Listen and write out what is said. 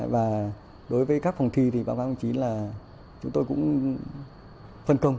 và đối với các phòng thi thì báo cáo công chí là chúng tôi cũng phân công